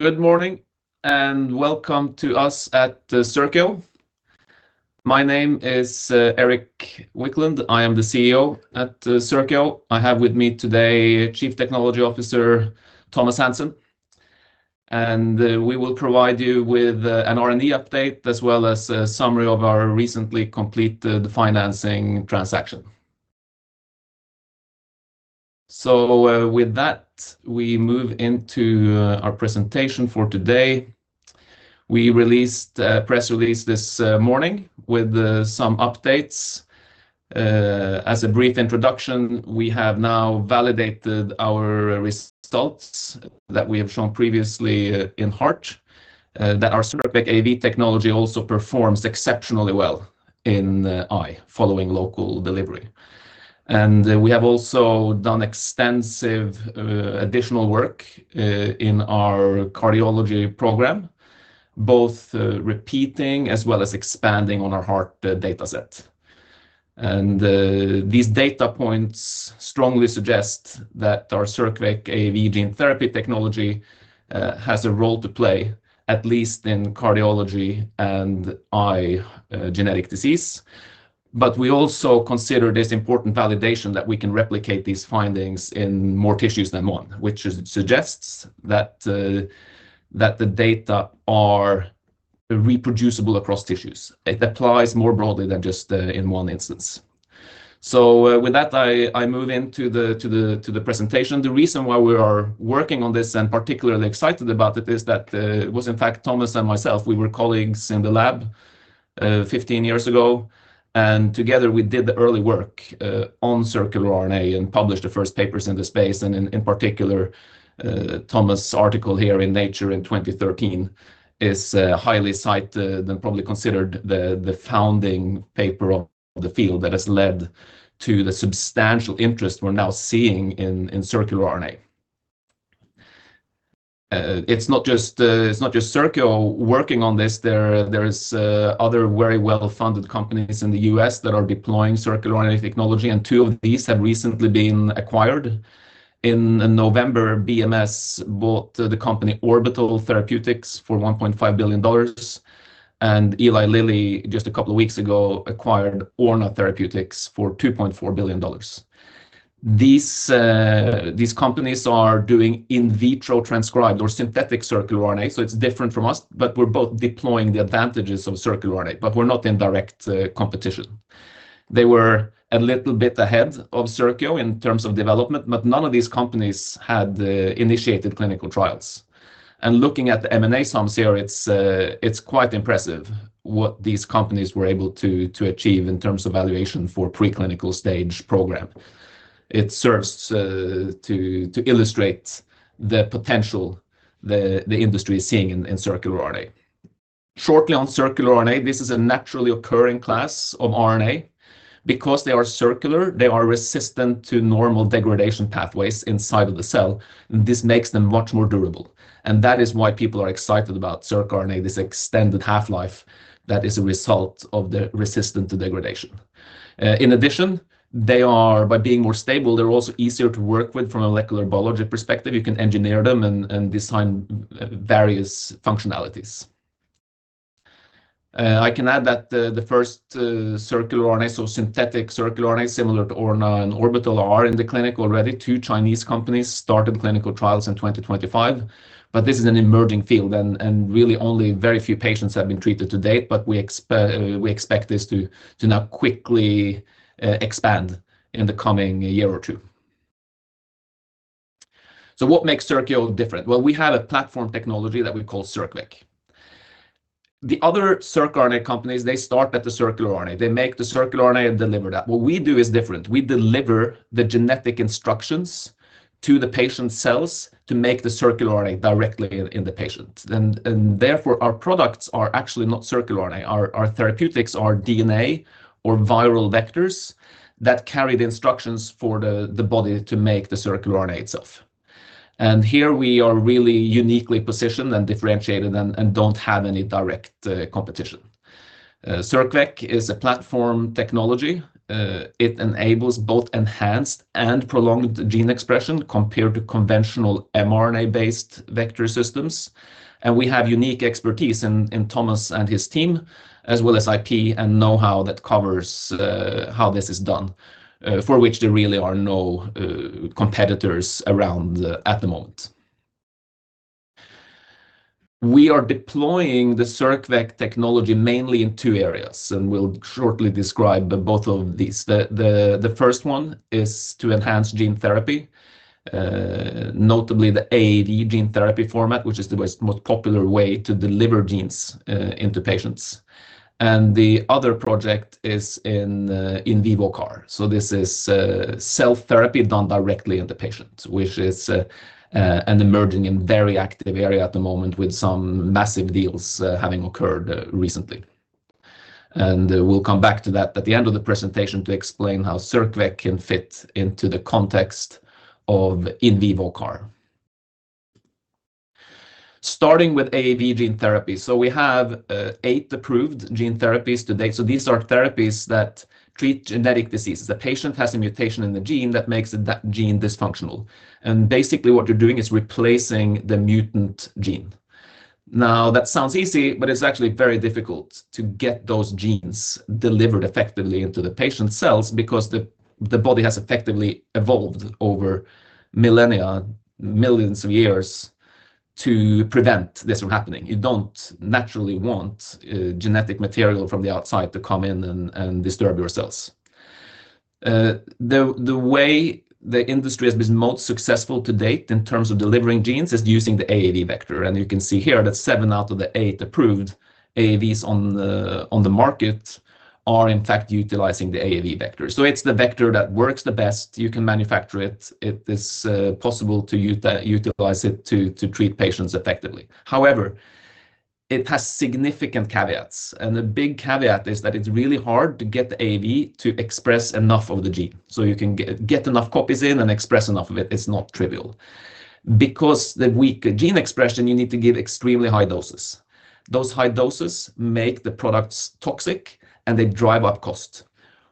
Good morning, and welcome to us at Circio. My name is Erik Wiklund. I am the CEO at Circio. I have with me today Chief Technology Officer Thomas Hansen, and we will provide you with an R&D update, as well as a summary of our recently completed financing transaction. With that, we move into our presentation for today. We released a press release this morning with some updates. As a brief introduction, we have now validated our results that we have shown previously in heart, that our circVec AAV technology also performs exceptionally well in the eye following local delivery. We have also done extensive additional work in our cardiology program, both repeating as well as expanding on our heart data set. These data points strongly suggest that our circVec AAV gene therapy technology has a role to play, at least in cardiology and eye genetic disease. We also consider this important validation that we can replicate these findings in more tissues than one, which suggests that the data are reproducible across tissues. It applies more broadly than just in one instance. With that, I move into the presentation. The reason why we are working on this, and particularly excited about it, is that it was, in fact, Thomas and myself, we were colleagues in the lab, 15 years ago, and together we did the early work on circular RNA and published the first papers in the space. In particular, Thomas' article here in Nature in 2013 is highly cited and probably considered the founding paper of the field that has led to the substantial interest we're now seeing in circular RNA. It's not just Circio working on this. There is other very well-funded companies in the U.S. that are deploying circular RNA technology, and two of these have recently been acquired. In November, BMS bought the company Orbital Therapeutics for $1.5 billion, and Eli Lilly, just a couple of weeks ago, acquired Orna Therapeutics for $2.4 billion. These companies are doing in vitro transcribed or synthetic circular RNA, so it's different from us, but we're both deploying the advantages of circular RNA, but we're not in direct competition. They were a little bit ahead of Circio in terms of development. None of these companies had initiated clinical trials. Looking at the M&A sums here, it's quite impressive what these companies were able to achieve in terms of valuation for preclinical stage program. It serves to illustrate the potential the industry is seeing in circular RNA. Shortly on circular RNA, this is a naturally occurring class of RNA. Because they are circular, they are resistant to normal degradation pathways inside of the cell. This makes them much more durable. That is why people are excited about circRNA, this extended half-life that is a result of the resistance to degradation. In addition, by being more stable, they're also easier to work with from a molecular biology perspective. You can engineer them and design various functionalities. I can add that the first circular RNA, so synthetic circular RNA, similar to Orna and Orbital, are in the clinic already. Two Chinese companies started clinical trials in 2025, this is an emerging field, and really only very few patients have been treated to date. We expect this to now quickly expand in the coming year or 2. What makes Circio different? Well, we have a platform technology that we call circVec. The other circRNA companies, they start at the circular RNA. They make the circular RNA and deliver that. What we do is different. We deliver the genetic instructions to the patient's cells to make the circular RNA directly in the patient, and therefore, our products are actually not circular RNA. Our therapeutics are DNA or viral vectors that carry the instructions for the body to make the circular RNA itself. Here we are really uniquely positioned and differentiated and don't have any direct competition circVec is a platform technology. It enables both enhanced and prolonged gene expression compared to conventional mRNA-based vector systems. We have unique expertise in Thomas and his team, as well as IP and know-how that covers how this is done, for which there really are no competitors around at the moment. We are deploying the circVec technology mainly in two areas, and we'll shortly describe both of these. The first one is to enhance gene therapy, notably the AAV gene therapy format, which is the most popular way to deliver genes into patients. The other project is in in vivo CAR. This is cell therapy done directly in the patient, which is an emerging and very active area at the moment, with some massive deals having occurred recently. We'll come back to that at the end of the presentation to explain how circVec can fit into the context of in vivo CAR. Starting with AAV gene therapy. We have eight approved gene therapies today. These are therapies that treat genetic diseases. The patient has a mutation in the gene that makes that gene dysfunctional, and basically what you're doing is replacing the mutant gene. That sounds easy, but it's actually very difficult to get those genes delivered effectively into the patient's cells because the body has effectively evolved over millennia, millions of years, to prevent this from happening. You don't naturally want genetic material from the outside to come in and disturb your cells. The way the industry has been most successful to date in terms of delivering genes is using the AAV vector. You can see here that seven out of the eight approved AAVs on the market are in fact utilizing the AAV vector. It's the vector that works the best, you can manufacture it. It is possible to utilize it to treat patients effectively. However, it has significant caveats, and the big caveat is that it's really hard to get the AAV to express enough of the gene. You can get enough copies in and express enough of it's not trivial. Because the weak gene expression, you need to give extremely high doses. Those high doses make the products toxic, and they drive up costs.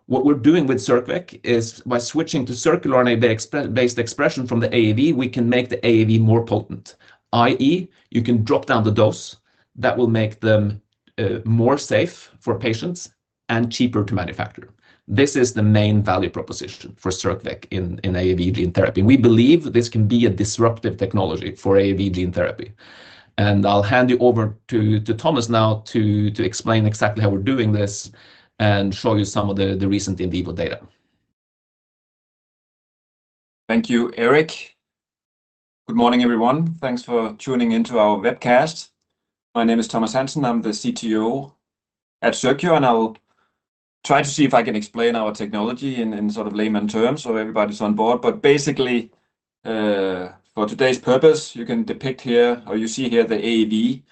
What we're doing with circVec is by switching to circular RNA based expression from the AAV, we can make the AAV more potent, i.e., you can drop down the dose that will make them more safe for patients and cheaper to manufacture. This is the main value proposition for circVec in AAV gene therapy. We believe this can be a disruptive technology for AAV gene therapy. I'll hand you over to Thomas now to explain exactly how we're doing this and show you some of the recent in vivo data. Thank you, Erik. Good morning, everyone. Thanks for tuning in to our webcast. My name is Thomas Hansen, I'm the CTO at Circio. I will try to see if I can explain our technology in sort of layman terms, so everybody's on board. Basically, for today's purpose, you can depict here, or you see here the AAV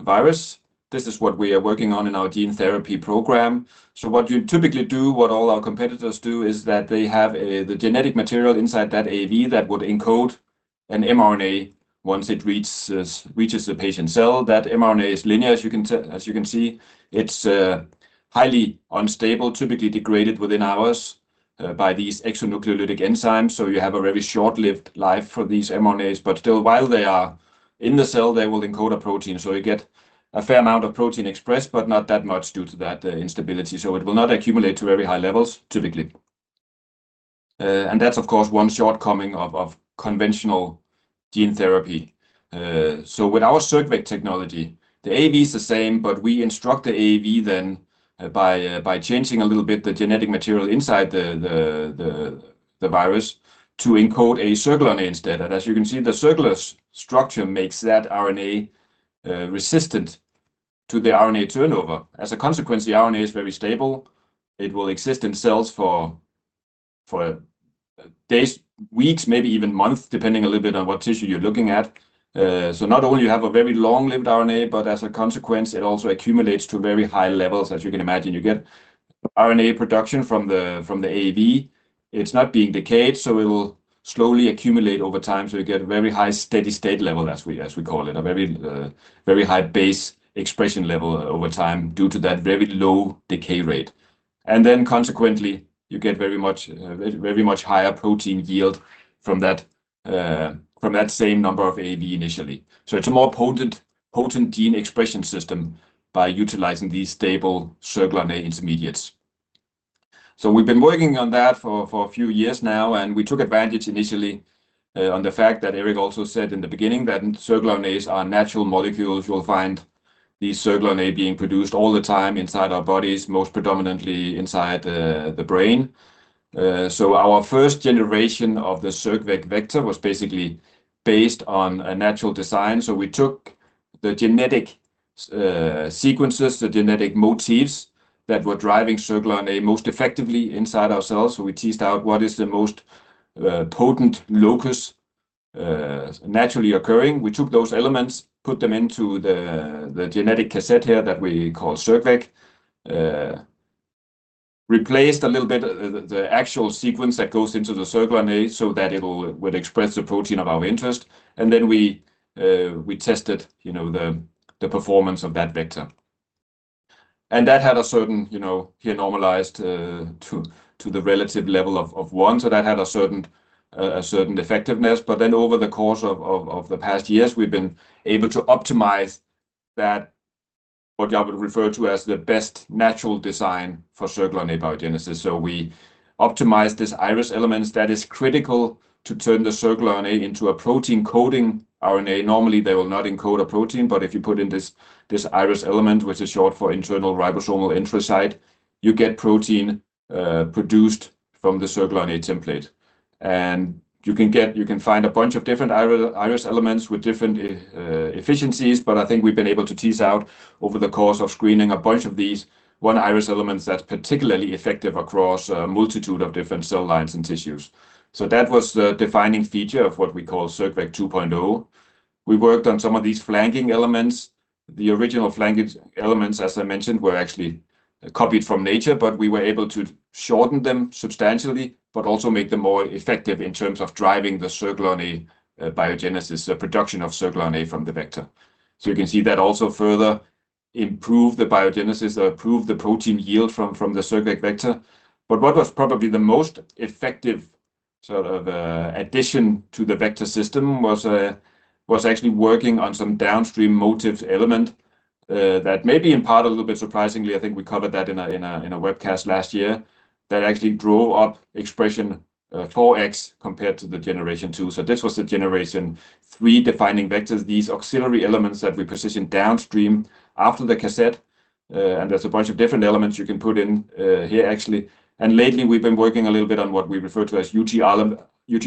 virus. This is what we are working on in our gene therapy program. What you typically do, what all our competitors do, is that they have the genetic material inside that AAV that would encode an mRNA once it reaches the patient cell. That mRNA is linear, as you can tell, as you can see. It's highly unstable, typically degraded within hours by these exonucleolytic enzymes. You have a very short-lived life for these mRNAs, but still, while they are in the cell, they will encode a protein. You get a fair amount of protein expressed, but not that much due to that instability. It will not accumulate to very high levels, typically. That's, of course, one shortcoming of conventional gene therapy. With our circVec technology, the AAV is the same, but we instruct the AAV then, by changing a little bit the genetic material inside the virus to encode a circular RNA instead. As you can see, the circular structure makes that RNA resistant to the RNA turnover. As a consequence, the RNA is very stable. It will exist in cells for days, weeks, maybe even months, depending a little bit on what tissue you're looking at. Not only you have a very long-lived RNA, but as a consequence, it also accumulates to very high levels. As you can imagine, you get RNA production from the AAV. It's not being decayed, so it will slowly accumulate over time. You get a very high, steady state level, as we call it, a very high base expression level over time due to that very low decay rate. Consequently, you get very much higher protein yield from that same number of AAV initially. It's a more potent gene expression system by utilizing these stable circular RNA intermediates. We've been working on that for a few years now, and we took advantage initially, on the fact that Erik also said in the beginning, that circular RNAs are natural molecules. You'll find these circular RNA being produced all the time inside our bodies, most predominantly inside the brain. Our first generation of the circVec vector was basically based on a natural design. We took the genetic sequences, the genetic motifs that were driving circular RNA most effectively inside our cells. We teased out what is the most potent locus naturally occurring. We took those elements, put them into the genetic cassette here that we call circVec. Replaced a little bit the actual sequence that goes into the circular RNA so that it would express the protein of our interest. Then we tested, you know, the performance of that vector. That had a certain, you know, here normalized to the relative level of 1. That had a certain, a certain effectiveness. Over the course of the past years, we've been able to optimize that, what I would refer to as the best natural design for circular RNA biogenesis. We optimized this IRES elements that is critical to turn the circular RNA into a protein coding RNA. Normally, they will not encode a protein, but if you put in this IRES element, which is short for internal ribosomal entry site, you get protein produced from the circular RNA template. You can find a bunch of different IRES elements with different efficiencies, but I think we've been able to tease out over the course of screening a bunch of these, one IRES elements that's particularly effective across a multitude of different cell lines and tissues. That was the defining feature of what we call circVec 2.0. We worked on some of these flanking elements. The original flanking elements, as I mentioned, were actually copied from nature, but we were able to shorten them substantially, but also make them more effective in terms of driving the circRNA biogenesis, the production of circRNA from the vector. You can see that also further improve the biogenesis or improve the protein yield from the circVec vector. What was probably the most effective sort of addition to the vector system was actually working on some downstream motifs element that may be in part, a little bit surprisingly, I think we covered that in a, in a, in a webcast last year, that actually drove up expression 4X compared to the generation 2. This was the generation three defining vectors, these auxiliary elements that we positioned downstream after the cassette. There's a bunch of different elements you can put in here, actually. Lately, we've been working a little bit on what we refer to as UTR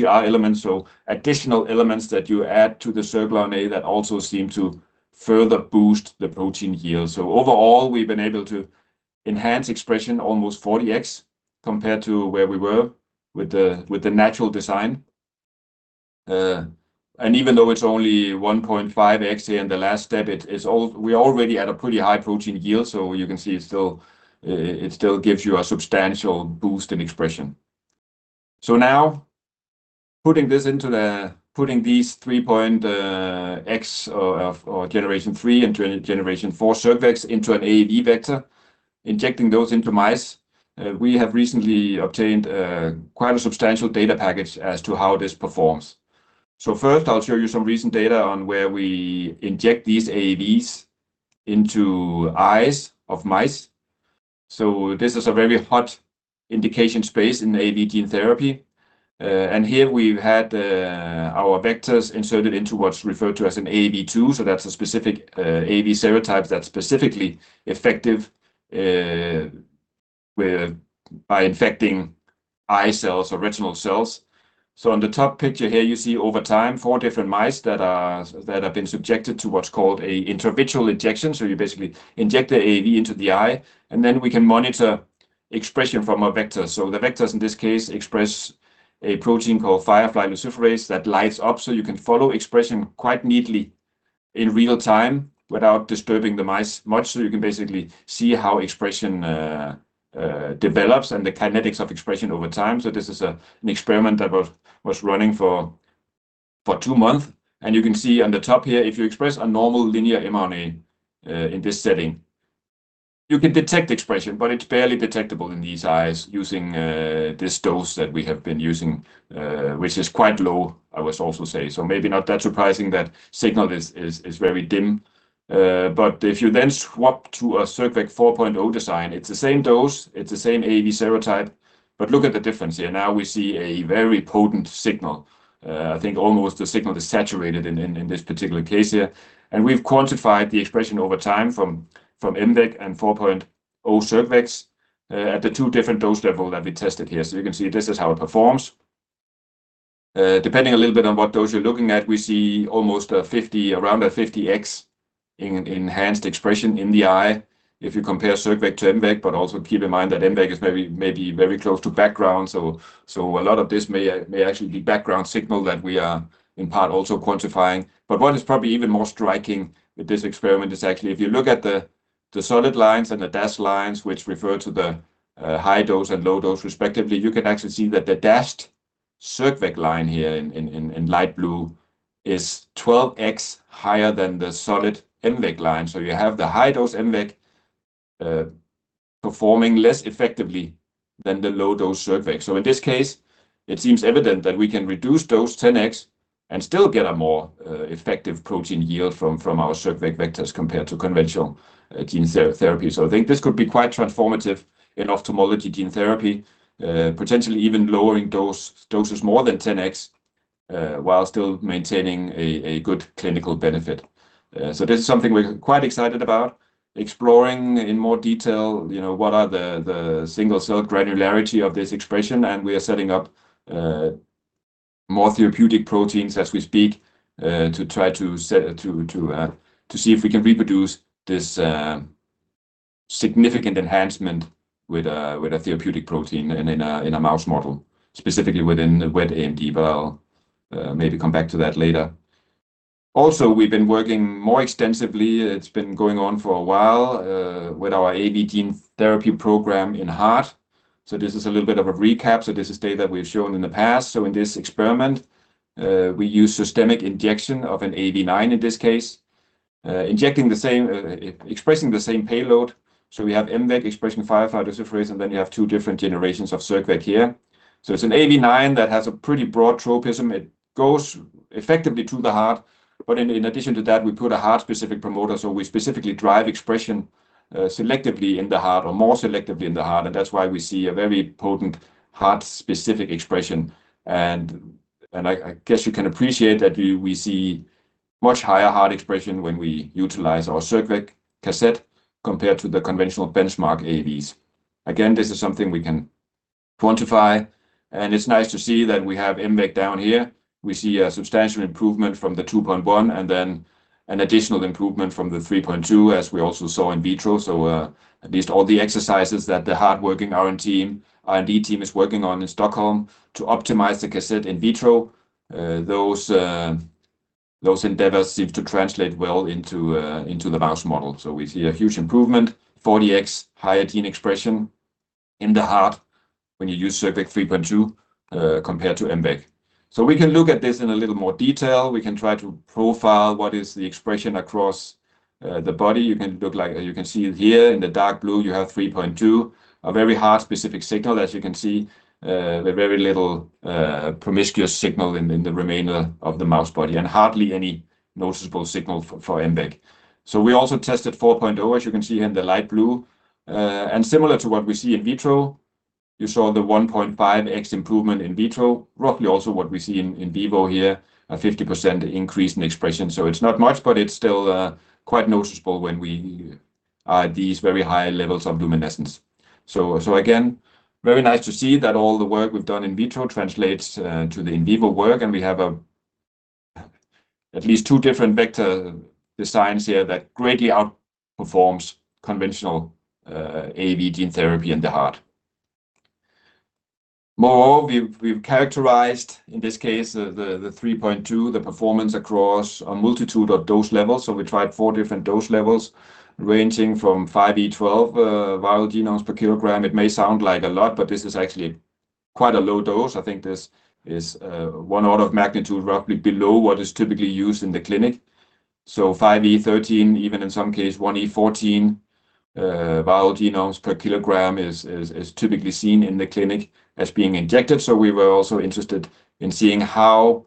elements. Additional elements that you add to the circRNA that also seem to further boost the protein yield. Overall, we've been able to enhance expression almost 40x compared to where we were with the natural design. Even though it's only 1.5x here in the last step, we already had a pretty high protein yield, so you can see it still gives you a substantial boost in expression. Now, putting these 3.X or generation 3 and generation 4 circVects into an AAV vector, injecting those into mice, we have recently obtained quite a substantial data package as to how this performs. First, I'll show you some recent data on where we inject these AAVs into eyes of mice. And here we've had our vectors inserted into what's referred to as an AAV2. That's a specific AAV serotype that's specifically effective by infecting eye cells or retinal cells. On the top picture here, you see over time, 4 different mice that have been subjected to what's called a intravitreal injection. You basically inject the AAV into the eye, and then we can monitor expression from our vectors. The vectors, in this case, express a protein called firefly luciferase that lights up, so you can follow expression quite neatly in real time without disturbing the mice much. You can basically see how expression develops and the kinetics of expression over time. This is an experiment that was running for two months, and you can see on the top here, if you express a normal linear mRNA, in this setting, you can detect expression, but it's barely detectable in these eyes using this dose that we have been using, which is quite low, I must also say. Maybe not that surprising that signal is very dim, but if you then swap to a circVec 4.0 design, it's the same dose, it's the same AAV serotype, but look at the difference here. Now we see a very potent signal. I think almost the signal is saturated in this particular case here. We've quantified the expression over time from mVec and 4.0 circVecs at the 2 different dose level that we tested here. You can see this is how it performs. Depending a little bit on what dose you're looking at, we see almost around a 50x in enhanced expression in the eye if you compare circVec to mVec, but also keep in mind that mVec is maybe very close to background. A lot of this may actually be background signal that we are in part also quantifying. What is probably even more striking with this experiment is actually, if you look at the solid lines and the dashed lines, which refer to the high dose and low dose respectively, you can actually see that the dashed circVec line here in light blue is 12x higher than the solid mVec line. You have the high dose mVec performing less effectively than the low-dose circVec. In this case, it seems evident that we can reduce dose 10x and still get a more effective protein yield from our circVec vectors compared to conventional gene therapy. I think this could be quite transformative in ophthalmology gene therapy, potentially even lowering doses more than 10x while still maintaining a good clinical benefit. This is something we're quite excited about, exploring in more detail, you know, what are the single cell granularity of this expression, and we are setting up more therapeutic proteins as we speak, to see if we can reproduce this significant enhancement with a therapeutic protein in a mouse model, specifically within the wet AMD, but I'll maybe come back to that later. We've been working more extensively, it's been going on for a while, with our AAV gene therapy program in heart. This is a little bit of a recap. This is data we've shown in the past. In this experiment, we use systemic injection of an AAV9, in this case, injecting the same, expressing the same payload. We have mVec expressing firefly luciferase, and then you have two different generations of circVec here. It's an AAV9 that has a pretty broad tropism. It goes effectively to the heart, but in addition to that, we put a heart-specific promoter, so we specifically drive expression selectively in the heart or more selectively in the heart, and that's why we see a very potent heart-specific expression. I guess you can appreciate that we see much higher heart expression when we utilize our circVec cassette compared to the conventional benchmark AAVs. Again, this is something we can quantify, and it's nice to see that we have mVec down here. We see a substantial improvement from the 2.1, and then an additional improvement from the 3.2, as we also saw in vitro. At least all the exercises that the hardworking R&D team is working on in Stockholm to optimize the cassette in vitro, those endeavors seem to translate well into the mouse model. We see a huge improvement, 40x higher gene expression in the heart when you use circVec 3.2 compared to mVec. We can look at this in a little more detail. We can try to profile what is the expression across the body. You can see it here in the dark blue, you have circVec 3.2, a very heart-specific signal, as you can see, with very little promiscuous signal in the remainder of the mouse body, and hardly any noticeable signal for mVec. We also tested circVec 4.0, as you can see here in the light blue. Similar to what we see in vitro, you saw the 1.5x improvement in vitro, roughly also what we see in vivo here, a 50% increase in expression. It's not much, but it's still quite noticeable when we these very high levels of luminescence. Again, very nice to see that all the work we've done in vitro translates to the in vivo work, and we have at least two different vector designs here that greatly outperforms conventional AAV gene therapy in the heart. Moreover, we've characterized, in this case, the 3.2, the performance across a multitude of dose levels. We tried four different dose levels, ranging from 5E12 vg/kg. It may sound like a lot, but this is actually quite a low dose. I think this is one order of magnitude, roughly below what is typically used in the clinic. 5E13 vg/kg, even in some case, 1E14 vg/kg is typically seen in the clinic as being injected. We were also interested in seeing how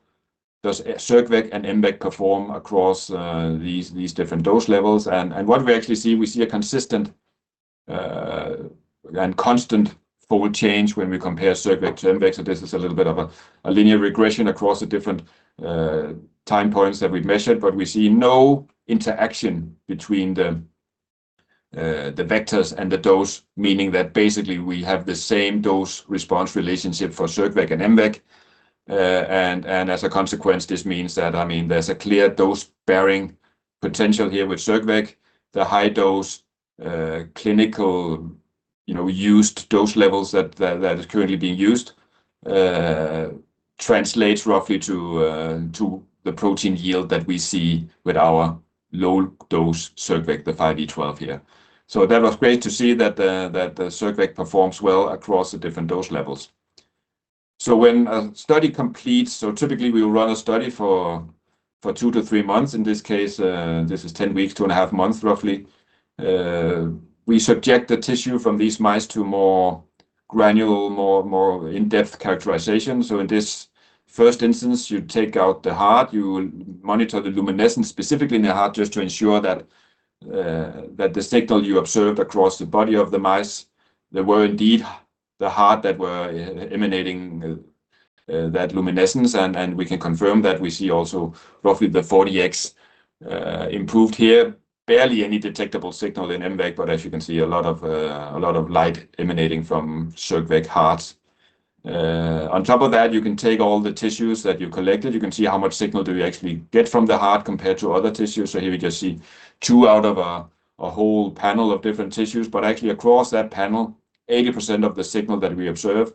does circVec and mVec perform across these different dose levels. What we actually see, we see a consistent and constant fold change when we compare circVec to mVec. This is a little bit of a linear regression across the different time points that we measured, but we see no interaction between the vectors and the dose, meaning that basically, we have the same dose-response relationship for circVec and mVec. As a consequence, this means that, I mean, there's a clear dose-bearing potential here with circVec. The high dose clinical, you know, used dose levels that is currently being used, translates roughly to the protein yield that we see with our low-dose circVec, the 5E12 here. That was great to see that the circVec performs well across the different dose levels. When a study completes, typically, we will run a study for 2-3 months. In this case, this is 10 weeks, 2.5 months, roughly. We subject the tissue from these mice to more granular, more in-depth characterization. In this first instance, you take out the heart, you will monitor the luminescence, specifically in the heart, just to ensure that the signal you observed across the body of the mice, they were indeed the heart that were emanating that luminescence. We can confirm that we see also roughly the 40X improved here. Barely any detectable signal in mVec, as you can see, a lot of light emanating from circVec hearts. On top of that, you can take all the tissues that you collected. You can see how much signal do we actually get from the heart compared to other tissues. Here we just see 2 out of a whole panel of different tissues, but actually across that panel, 80% of the signal that we observed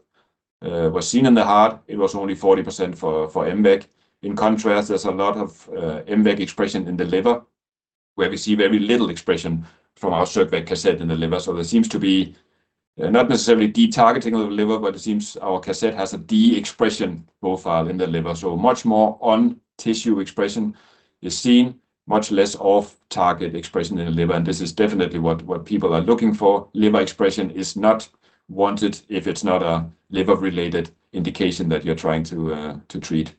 was seen in the heart. It was only 40% for mVec. In contrast, there's a lot of mVec expression in the liver, where we see very little expression from our circVec cassette in the liver. There seems to be not necessarily detargeting of the liver, but it seems our cassette has a deexpression profile in the liver. Much more on tissue expression is seen, much less off-target expression in the liver, and this is definitely what people are looking for. Liver expression is not wanted if it's not a liver-related indication that you're trying to treat.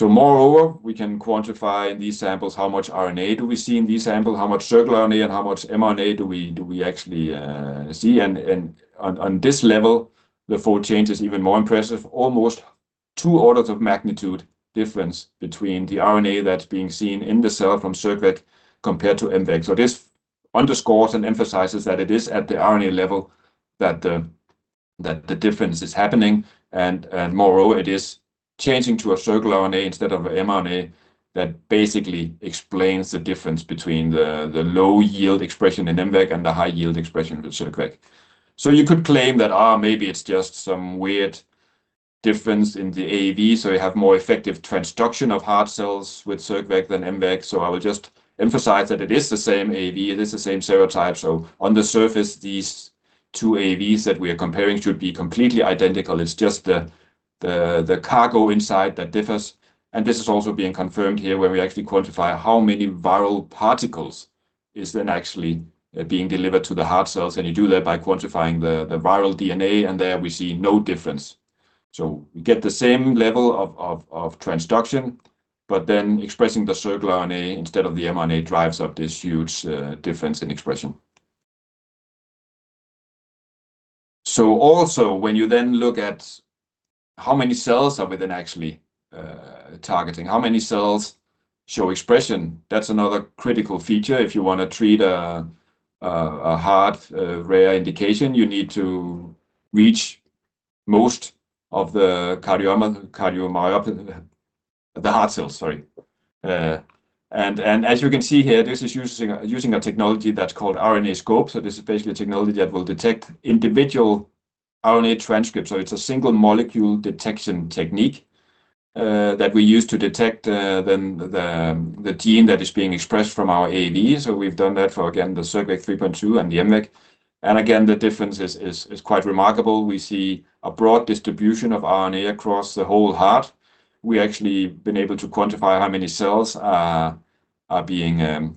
Moreover, we can quantify these samples. How much RNA do we see in this sample? How much circular RNA, and how much mRNA do we actually see? On this level, the fold change is even more impressive, almost two orders of magnitude difference between the RNA that's being seen in the cell from circVec compared to mVec. This underscores and emphasizes that it is at the RNA level that the difference is happening, moreover, it is changing to a circular RNA instead of mRNA. That basically explains the difference between the low-yield expression in mVec and the high-yield expression in circVec. You could claim that, "Maybe it's just some weird difference in the AAV, so you have more effective transduction of heart cells with circVec than mVec." I would just emphasize that it is the same AAV, it is the same serotype. On the surface, these two AAVs that we are comparing should be completely identical. It's just the cargo inside that differs, and this is also being confirmed here, where we actually quantify how many viral particles is then actually being delivered to the heart cells, and you do that by quantifying the viral DNA, and there we see no difference. We get the same level of transduction, but then expressing the circular RNA instead of the mRNA drives up this huge difference in expression. Also, when you then look at how many cells are we then actually targeting, how many cells show expression, that's another critical feature. If you wanna treat a heart, rare indication, you need to reach most of the cardiomyopathy. The heart cells, sorry. And as you can see here, this is using a technology that's called RNAscope. This is basically a technology that will detect individual RNA transcripts. It's a single molecule detection technique that we use to detect the gene that is being expressed from our AAV. We've done that for, again, the circVec 3.2 and the mVec. Again, the difference is quite remarkable. We see a broad distribution of RNA across the whole heart. We actually been able to quantify how many cells have a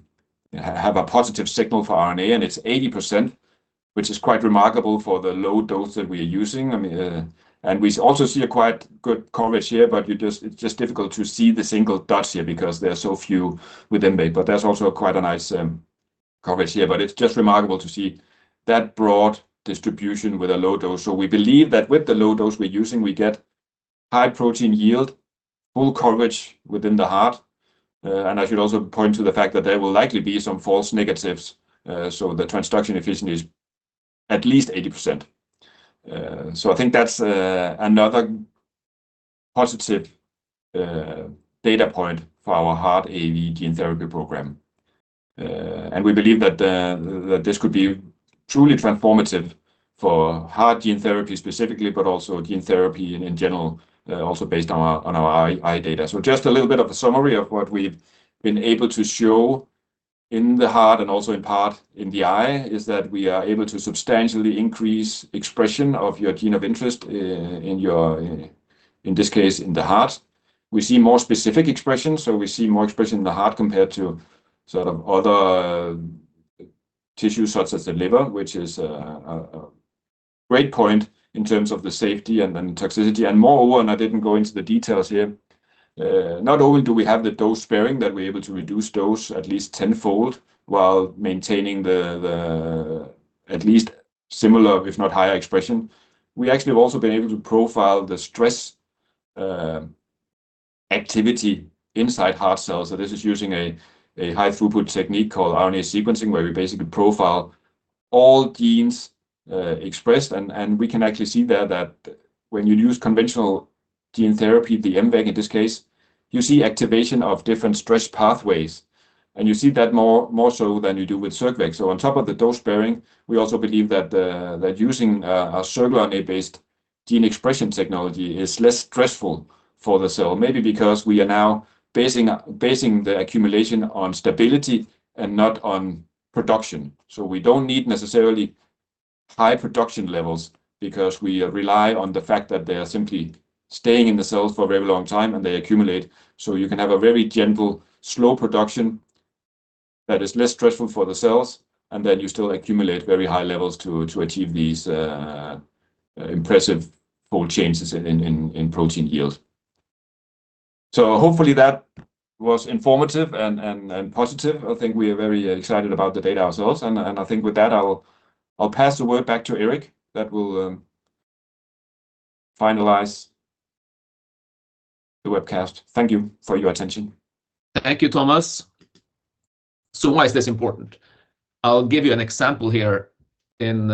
positive signal for RNA, and it's 80%, which is quite remarkable for the low dose that we are using. I mean, we also see a quite good coverage here, it's just difficult to see the single dots here because there are so few with mVec. There's also quite a nice coverage here. It's just remarkable to see that broad distribution with a low dose. We believe that with the low dose we're using, we get high protein yield, full coverage within the heart. interest in our company. We are currently reviewing applications and will be in touch if we find a suitable match for your qualifications We see more specific expression, we see more expression in the heart compared to sort of other tissues, such as the liver, which is a great point in terms of the safety and then toxicity. Moreover, and I didn't go into the details here, not only do we have the dose sparing, that we're able to reduce dose at least tenfold while maintaining the at least similar, if not higher expression. We actually have also been able to profile the stress activity inside heart cells. This is using a high-throughput technique called RNA sequencing, where we basically profile all genes expressed. We can actually see there that when you use conventional gene therapy, the mVec, in this case, you see activation of different stress pathways, and you see that more so than you do with circVec. On top of the dose sparing, we also believe that using a circRNA-based gene expression technology is less stressful for the cell. Maybe because we are now basing the accumulation on stability and not on production. We don't need necessarily high production levels because we rely on the fact that they are simply staying in the cells for a very long time, and they accumulate. You can have a very gentle, slow production that is less stressful for the cells, and then you still accumulate very high levels to achieve these impressive fold changes in protein yields. Hopefully that was informative and positive. I think we are very excited about the data ourselves, and I think with that, I'll pass the word back to Erik. That will finalize the webcast. Thank you for your attention. Thank you, Thomas. Why is this important? I'll give you an example here in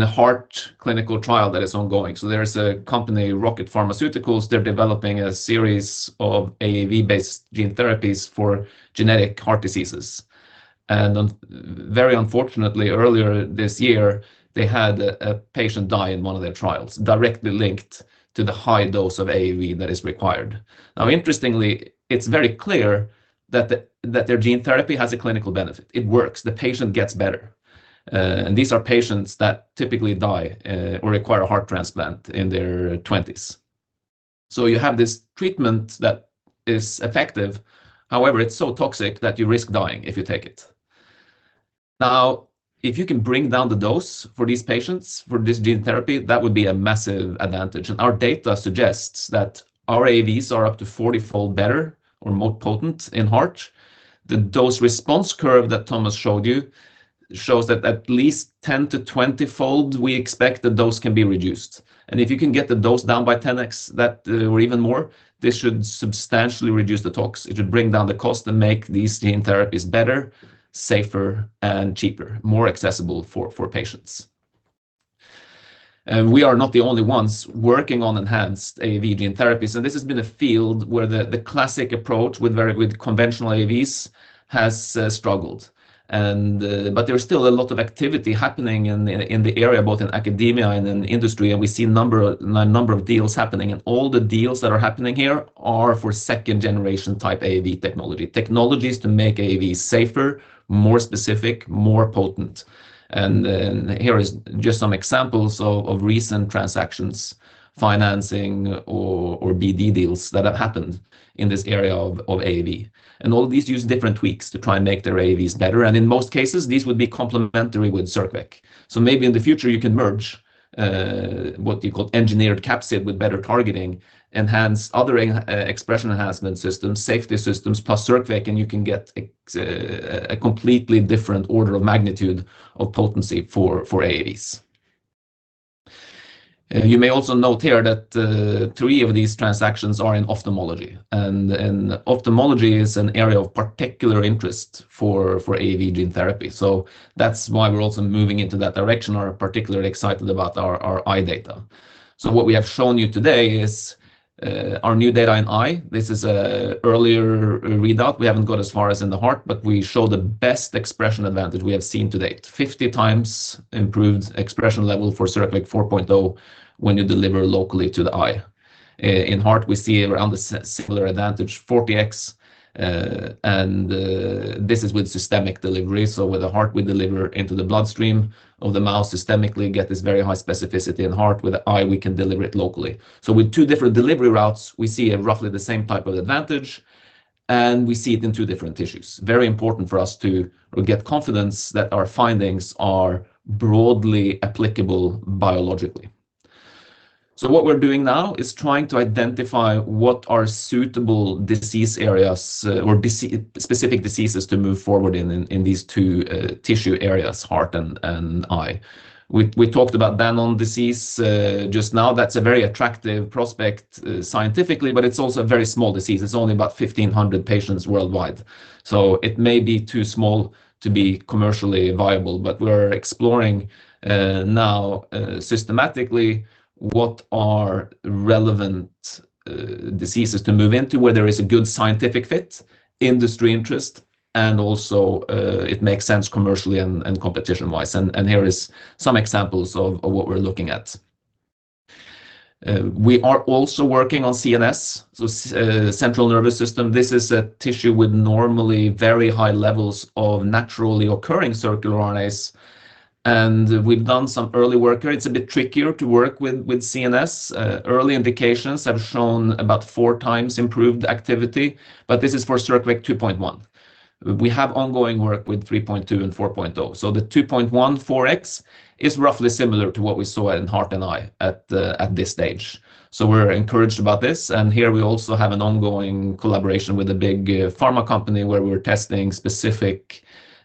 a heart clinical trial that is ongoing. There is a company, Rocket Pharmaceuticals, they're developing a series of AAV-based gene therapies for genetic heart diseases. Very unfortunately, earlier this year, they had a patient die in one of their trials, directly linked to the high dose of AAV that is required. Now, interestingly, it's very clear that their gene therapy has a clinical benefit. It works, the patient gets better. These are patients that typically die or require a heart transplant in their 20s. You have this treatment that is effective, however, it's so toxic that you risk dying if you take it. If you can bring down the dose for these patients, for this gene therapy, that would be a massive advantage. Our data suggests that our AAVs are up to 40-fold better or more potent in heart. The dose response curve that Thomas showed you shows that at least 10-20-fold, we expect the dose can be reduced. If you can get the dose down by 10x, that, or even more, this should substantially reduce the tox. It should bring down the cost and make these gene therapies better, safer, and cheaper, more accessible for patients. We are not the only ones working on enhanced AAV gene therapies. This has been a field where the classic approach with conventional AAVs has struggled. But there's still a lot of activity happening in the area, both in academia and in industry, and we see a number of deals happening. All the deals that are happening here are for second-generation type AAV technology. Technologies to make AAV safer, more specific, more potent. Here is just some examples of recent transactions, financing, or BD deals that have happened in this area of AAV. All these use different tweaks to try and make their AAVs better, and in most cases, these would be complementary with circVec. Maybe in the future, you can merge what you call engineered capsid with better targeting, enhance other expression enhancement systems, safety systems, plus circVec, and you can get a completely different order of magnitude of potency for AAVs.... You may also note here that 3 of these transactions are in ophthalmology. Ophthalmology is an area of particular interest for AAV gene therapy. That's why we're also moving into that direction, are particularly excited about our eye data. What we have shown you today is our new data in eye. This is a earlier readout. We haven't got as far as in the heart, but we show the best expression advantage we have seen to date, 50 times improved expression level for circVec 4.0 when you deliver locally to the eye. In heart, we see around a similar advantage, 40X, and this is with systemic delivery. With the heart, we deliver into the bloodstream of the mouse systemically, get this very high specificity in heart. With the eye, we can deliver it locally. With two different delivery routes, we see roughly the same type of advantage, and we see it in two different tissues. Very important for us to get confidence that our findings are broadly applicable biologically. What we're doing now is trying to identify what are suitable disease areas, or specific diseases to move forward in these two, tissue areas, heart and eye. We talked about Danon disease, just now. That's a very attractive prospect, scientifically, but it's also a very small disease. It's only about 1,500 patients worldwide, so it may be too small to be commercially viable. We're exploring, now, systematically what are relevant, diseases to move into, where there is a good scientific fit, industry interest, and also, it makes sense commercially and competition-wise. Here is some examples of what we're looking at. We are also working on CNS, so Central Nervous System. This is a tissue with normally very high levels of naturally occurring circular RNAs, and we've done some early work here. It's a bit trickier to work with CNS. Early indications have shown about four times improved activity, but this is for circVec 2.1. We have ongoing work with 3.2 and 4.0. The 2.1 for X is roughly similar to what we saw in heart and eye at this stage. We're encouraged about this, and here we also have an ongoing collaboration with a big pharma company, where we're testing specific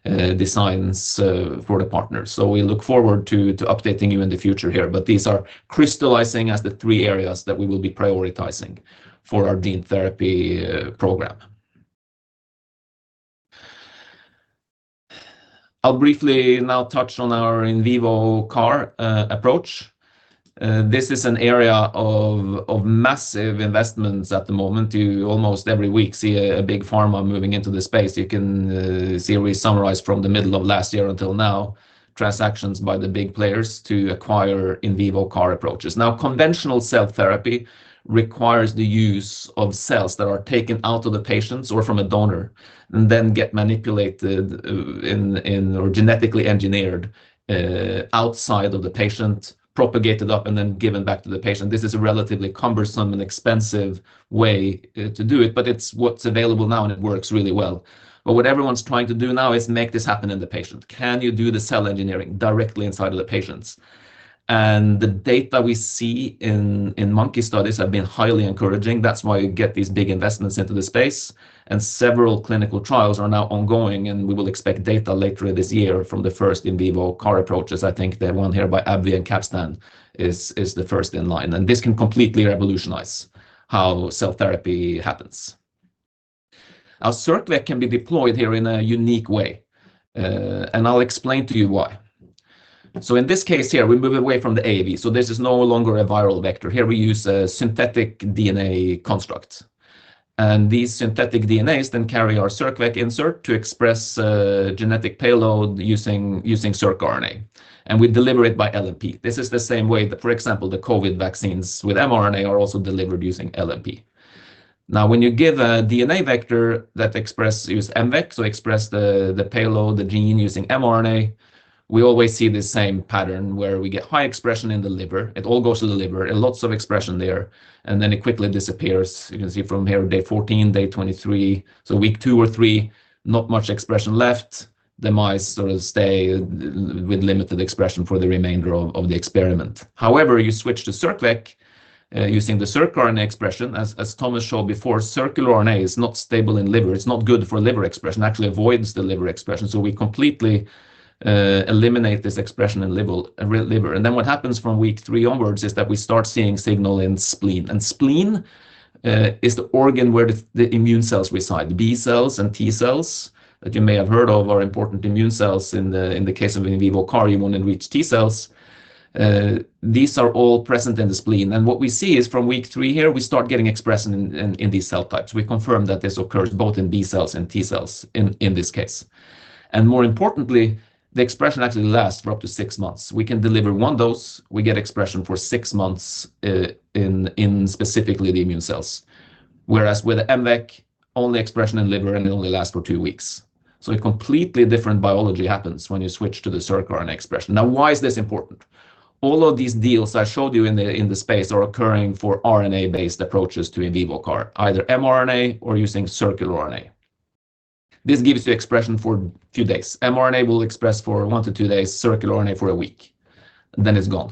designs for the partners. We look forward to updating you in the future here, but these are crystallizing as the three areas that we will be prioritizing for our gene therapy program. I'll briefly now touch on our in vivo CAR approach. This is an area of massive investments at the moment. You almost every week see a big pharma moving into the space. You can see we summarize from the middle of last year until now, transactions by the big players to acquire in vivo CAR approaches. Conventional cell therapy requires the use of cells that are taken out of the patients or from a donor, and then get manipulated or genetically engineered outside of the patient, propagated up, and then given back to the patient. This is a relatively cumbersome and expensive way to do it, but it's what's available now, and it works really well. What everyone's trying to do now is make this happen in the patient. Can you do the cell engineering directly inside of the patients? The data we see in monkey studies have been highly encouraging. That's why you get these big investments into the space, and several clinical trials are now ongoing, and we will expect data later this year from the first in vivo CAR approaches. I think the one here by AbbVie and Capstan is the first in line, and this can completely revolutionize how cell therapy happens. Now, circVec can be deployed here in a unique way, and I'll explain to you why. In this case here, we move away from the AAV, this is no longer a viral vector. Here we use a synthetic DNA construct, and these synthetic DNAs then carry our circVec insert to express genetic payload using circRNA, and we deliver it by LNP. This is the same way that, for example, the COVID vaccines with mRNA are also delivered using LNP. When you give a DNA vector that express use mVec, so express the payload, the gene using mRNA, we always see the same pattern, where we get high expression in the liver. It all goes to the liver, and lots of expression there, and then it quickly disappears. You can see from here, day 14, day 23, so week 2 or 3, not much expression left. The mice sort of stay with limited expression for the remainder of the experiment. However, you switch to circVec using the circRNA expression, as Thomas showed before, circular RNA is not stable in liver. It's not good for liver expression. Actually avoids the liver expression. We completely eliminate this expression in liver. What happens from week three onwards is that we start seeing signal in spleen. Spleen is the organ where the immune cells reside. B cells and T cells that you may have heard of, are important immune cells in the case of in vivo CAR, immune-enriched T cells. These are all present in the spleen, and what we see is from week three here, we start getting expression in these cell types. We confirm that this occurs both in B cells and T cells in this case. More importantly, the expression actually lasts for up to six months. We can deliver one dose, we get expression for six months, in specifically the immune cells, whereas with mVec, only expression in liver, and it only lasts for two weeks. A completely different biology happens when you switch to the circRNA expression. Why is this important? All of these deals I showed you in the, in the space are occurring for RNA-based approaches to in vivo CAR, either mRNA or using circular RNA. This gives you expression for few days. mRNA will express for one to two days, circular RNA for a week, then it's gone.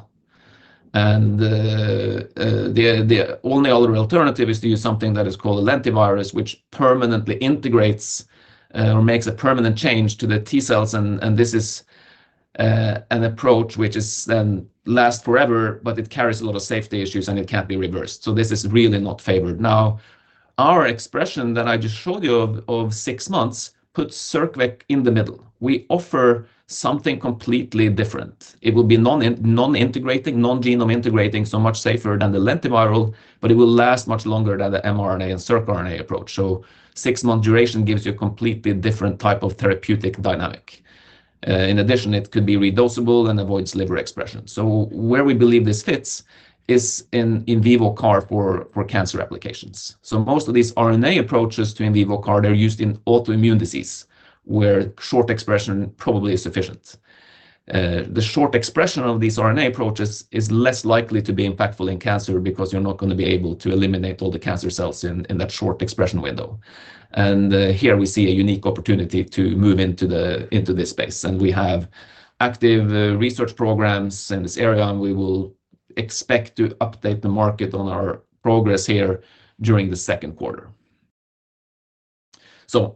The only other alternative is to use something that is called a lentivirus, which permanently integrates, or makes a permanent change to the T cells. This is an approach which is then last forever, but it carries a lot of safety issues, and it can't be reversed. This is really not favored. Our expression that I just showed you of 6 months, puts circVec in the middle. We offer something completely different. It will be non-integrating, non-genome integrating, so much safer than the lentiviral, but it will last much longer than the mRNA and circRNA approach. 6-month duration gives you a completely different type of therapeutic dynamic. In addition, it could be re-dosable and avoids liver expression. Where we believe this fits is in vivo CAR for cancer applications. Most of these RNA approaches to in vivo CAR, they're used in autoimmune disease, where short expression probably is sufficient. The short expression of these RNA approaches is less likely to be impactful in cancer because you're not going to be able to eliminate all the cancer cells in that short expression window. Here we see a unique opportunity to move into this space. We have active research programs in this area, and we will expect to update the market on our progress here during the second quarter.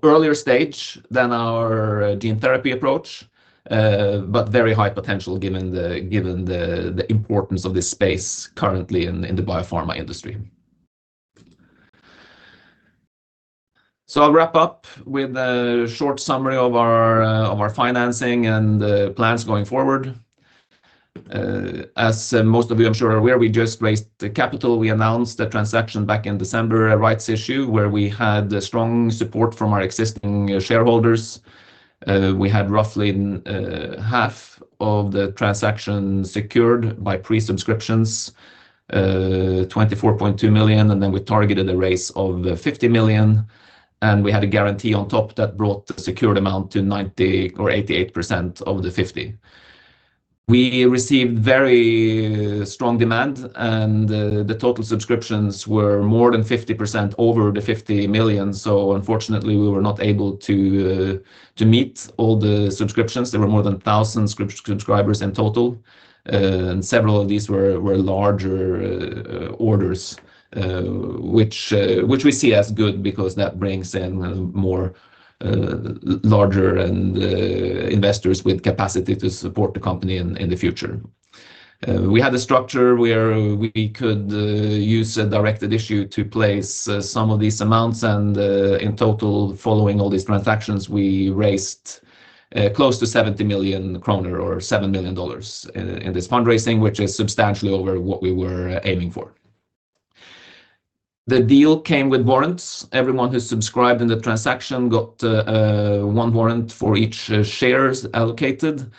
Earlier stage than our gene therapy approach, but very high potential, given the importance of this space currently in the biopharma industry. I'll wrap up with a short summary of our financing and plans going forward. As most of you, I'm sure are aware, we just raised the capital. We announced the transaction back in December, a rights issue, where we had strong support from our existing shareholders. We had roughly half of the transaction secured by pre-subscriptions, 24.2 million. Then we targeted a raise of 50 million, and we had a guarantee on top that brought the secured amount to 90% or 88% of the 50 million. The total subscriptions were more than 50% over the 50 million. Unfortunately, we were not able to meet all the subscriptions. There were more than 1,000 subscribers in total, and several of these were larger orders, which we see as good because that brings in more larger and investors with capacity to support the company in the future. We had a structure where we could use a directed issue to place some of these amounts. In total, following all these transactions, we raised close to 70 million kroner or $7 million in this fundraising, which is substantially over what we were aiming for. The deal came with warrants. Everyone who subscribed in the transaction got one warrant for each shares allocated,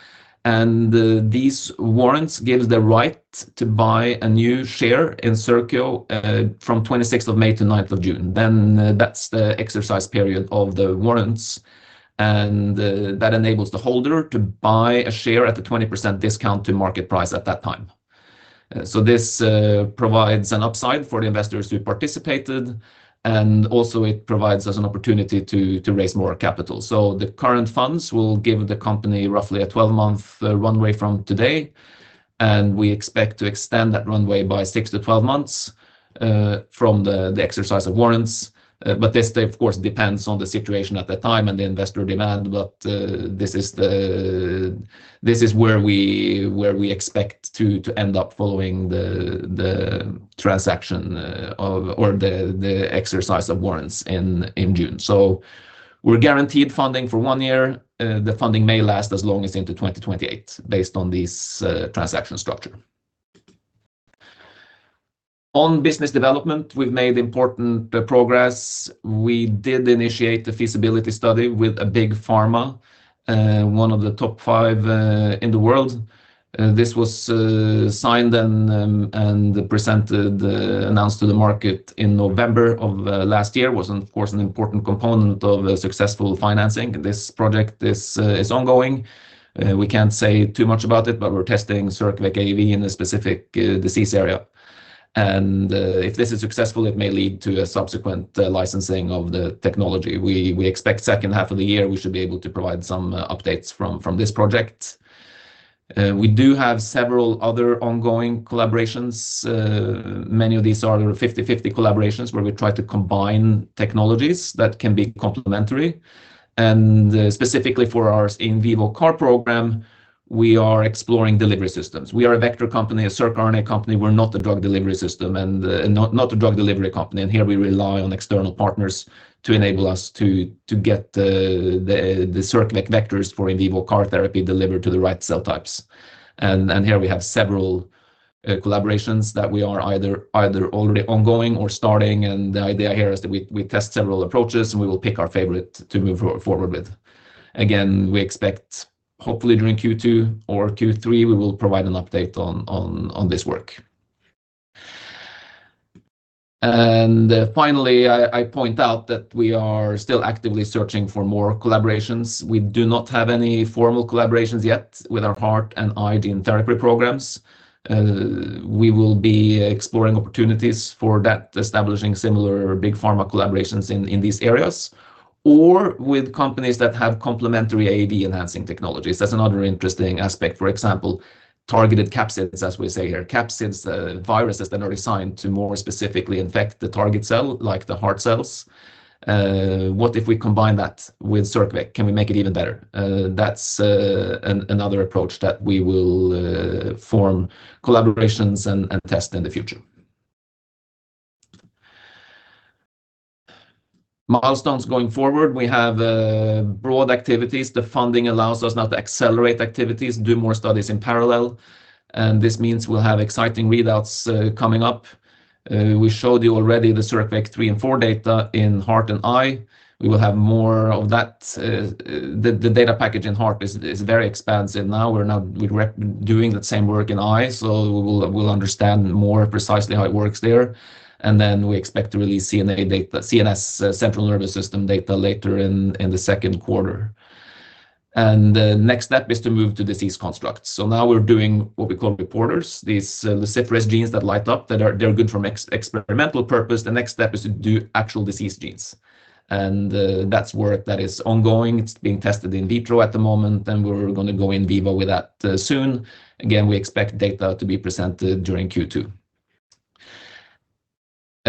and these warrants gives the right to buy a new share in Circio from 26th of May to 9th of June. That's the exercise period of the warrants, and that enables the holder to buy a share at a 20% discount to market price at that time. This provides an upside for the investors who participated, and also it provides us an opportunity to raise more capital. The current funds will give the company roughly a 12-month runway from today, and we expect to extend that runway by 6-12 months from the exercise of warrants. This, of course, depends on the situation at the time and the investor demand, but this is where we expect to end up following the transaction, or the exercise of warrants in June. We're guaranteed funding for one year. The funding may last as long as into 2028, based on this transaction structure. On business development, we've made important progress. We did initiate a feasibility study with a big pharma, one of the top 5 in the world. This was signed and presented, announced to the market in November of last year, was, of course, an important component of a successful financing. This project is ongoing. We can't say too much about it, but we're testing circVec AAV in a specific disease area. If this is successful, it may lead to a subsequent licensing of the technology. We expect second half of the year, we should be able to provide some updates from this project. We do have several other ongoing collaborations. Many of these are 50/50 collaborations, where we try to combine technologies that can be complementary. Specifically for our in vivo CAR program, we are exploring delivery systems. We are a vector company, a circRNA company. We're not a drug delivery system, and not a drug delivery company. Here, we rely on external partners to enable us to get the circVec vectors for in vivo CAR therapy delivered to the right cell types. Here we have several collaborations that we are either already ongoing or starting, and the idea here is that we test several approaches, and we will pick our favorite to move forward with. Again, we expect, hopefully during Q2 or Q3, we will provide an update on this work. Finally, I point out that we are still actively searching for more collaborations. We do not have any formal collaborations yet with our heart and eye gene therapy programs. We will be exploring opportunities for that, establishing similar big pharma collaborations in these areas.... or with companies that have complementary AAV enhancing technologies. That's another interesting aspect. For example, targeted capsids, as we say here, capsids, viruses that are designed to more specifically infect the target cell, like the heart cells. What if we combine that with circVec? Can we make it even better? That's another approach that we will form collaborations and test in the future. Milestones going forward, we have broad activities. The funding allows us now to accelerate activities and do more studies in parallel. This means we'll have exciting readouts coming up. We showed you already the circVec 3 and 4 data in heart and eye. We will have more of that. The data package in heart is very expansive now. We're now doing that same work in eye, so we'll understand more precisely how it works there, then we expect to release CNS, Central Nervous System data later in the second quarter. The next step is to move to disease constructs. Now we're doing what we call reporters, these luciferase genes that light up, that are good for experimental purpose. The next step is to do actual disease genes, and that's work that is ongoing. It's being tested in vitro at the moment, then we're gonna go in vivo with that soon. Again, we expect data to be presented during Q2.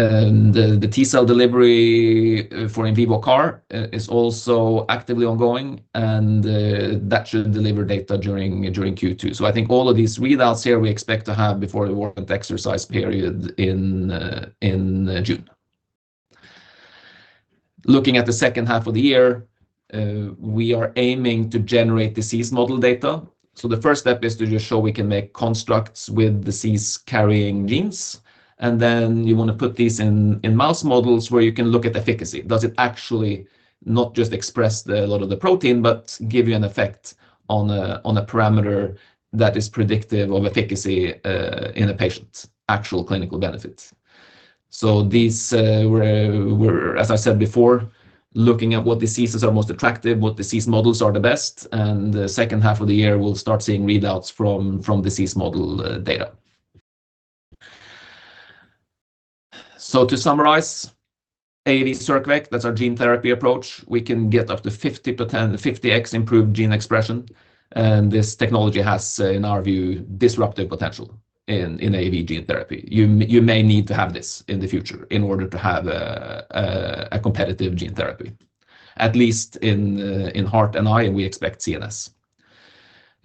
The T-cell delivery for in vivo CAR is also actively ongoing, and that should deliver data during Q2. I think all of these readouts here, we expect to have before the warrant exercise period in June. Looking at the second half of the year, we are aiming to generate disease model data. The first step is to just show we can make constructs with disease-carrying genes, and then you wanna put these in mouse models where you can look at efficacy. Does it actually not just express a lot of the protein, but give you an effect on a parameter that is predictive of efficacy in a patient's actual clinical benefits? These, as I said before, looking at what diseases are most attractive, what disease models are the best, and the second half of the year, we'll start seeing readouts from disease model data. To summarize, AAV circVec, that's our gene therapy approach. We can get up to 50x improved gene expression, and this technology has, in our view, disruptive potential in AAV gene therapy. You may need to have this in the future in order to have a competitive gene therapy, at least in heart and eye, and we expect CNS.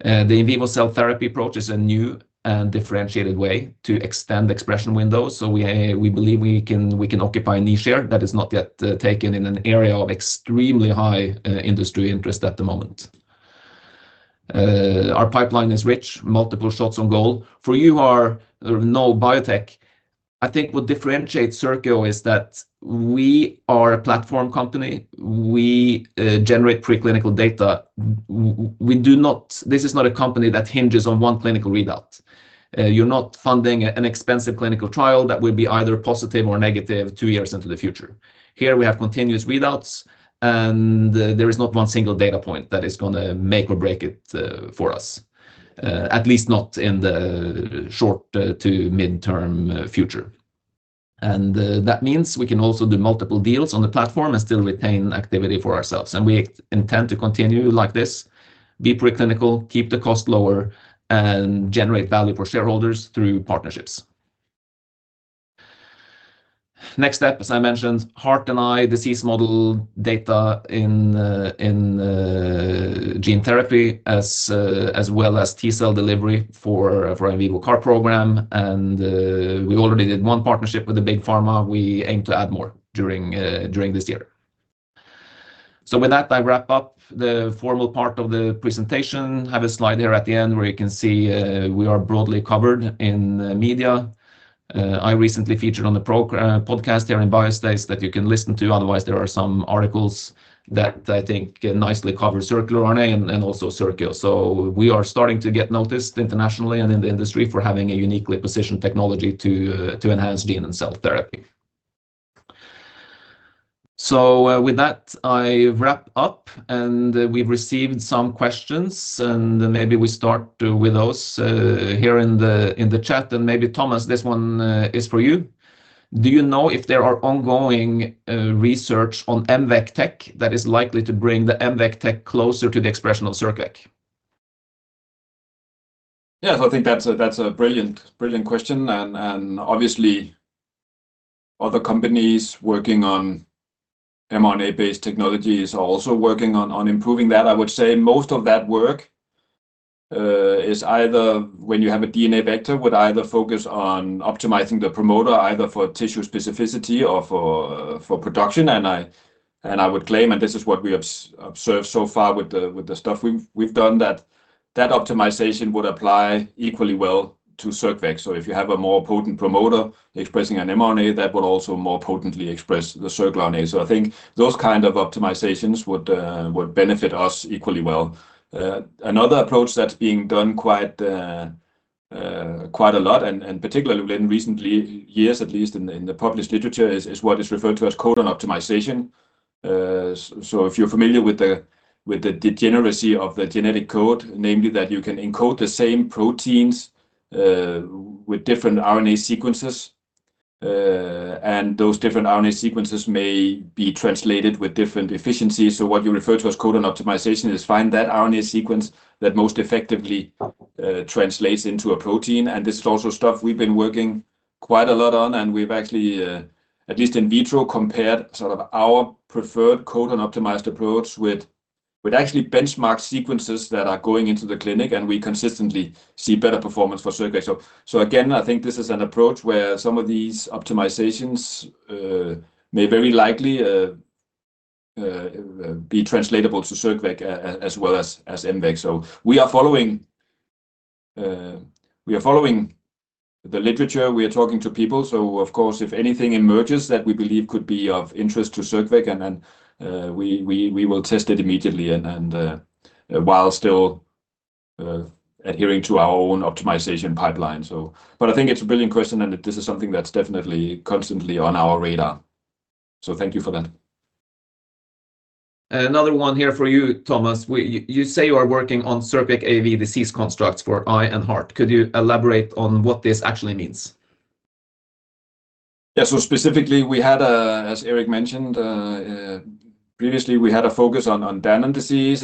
The in vivo cell therapy approach is a new and differentiated way to extend the expression window. We believe we can occupy a niche share that is not yet taken in an area of extremely high industry interest at the moment. Our pipeline is rich, multiple shots on goal. For you are no biotech, I think what differentiates Circio is that we are a platform company. We generate preclinical data. This is not a company that hinges on one clinical readout. You're not funding an expensive clinical trial that will be either positive or negative two years into the future. Here we have continuous readouts. There is not one single data point that is gonna make or break it for us, at least not in the short to mid-term future. That means we can also do multiple deals on the platform and still retain activity for ourselves. We intend to continue like this, be preclinical, keep the cost lower, and generate value for shareholders through partnerships. Next step, as I mentioned, heart and eye, disease model data in gene therapy, as well as T-cell delivery for our in vivo CAR program. We already did one partnership with the big pharma. We aim to add more during this year. With that, I wrap up the formal part of the presentation. I have a slide here at the end where you can see we are broadly covered in the media. I recently featured on the podcast here in BioSpace that you can listen to. Otherwise, there are some articles that I think nicely cover circular RNA and also Circio. We are starting to get noticed internationally and in the industry for having a uniquely positioned technology to enhance gene and cell therapy. With that, I wrap up, and we've received some questions, and maybe we start with those here in the chat, and maybe, Thomas, this one is for you: Do you know if there are ongoing research on mVec tech that is likely to bring the mVec tech closer to the expression of circVec? I think that's a brilliant question. Obviously, other companies working on mRNA-based technologies are also working on improving that. I would say most of that work is either when you have a DNA vector, would either focus on optimizing the promoter, either for tissue specificity or for production. I would claim, and this is what we have observed so far with the stuff we've done, that that optimization would apply equally well to circVec. If you have a more potent promoter expressing an mRNA, that would also more potently express the circRNA. I think those kind of optimizations would benefit us equally well. Another approach that's being done quite a lot, and particularly in recent years, at least in the published literature, is what is referred to as codon optimization. If you're familiar with the degeneracy of the genetic code, namely, that you can encode the same proteins, with different RNA sequences, and those different RNA sequences may be translated with different efficiencies. What you refer to as codon optimization is find that RNA sequence that most effectively translates into a protein. This is also stuff we've been working quite a lot on, and we've actually, at least in vitro, compared sort of our preferred codon-optimized approach with actually benchmark sequences that are going into the clinic, and we consistently see better performance for circVec. Again, I think this is an approach where some of these optimizations may very likely be translatable to circVec as well as mVec. We are following the literature, we are talking to people. Of course, if anything emerges that we believe could be of interest to circVec, then we will test it immediately and while still adhering to our own optimization pipeline. But I think it's a brilliant question, and this is something that's definitely constantly on our radar. Thank you for that. Another one here for you, Thomas. You say you are working on circVec AAV disease constructs for eye and heart. Could you elaborate on what this actually means? Yeah. Specifically, we had as Erik mentioned, previously, we had a focus on Danon disease,